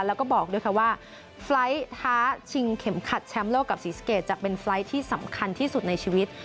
แล้วก็บอกด้วยค่ะว่าไฟล์ท้าชิงเข็มขัดแชมป์โลกกับศรีสะเกดจะเป็นไฟล์ทที่สำคัญที่สุดในชีวิต